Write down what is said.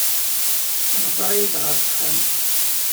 Ḍfer-iyi-d ɣer texxamt.